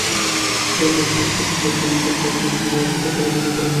বরং কয়েক মাস নিষ্ক্রিয় অ্যাকাউন্টে প্রশাসক অধিকার থাকাটাও ঝুঁকিপূর্ণ।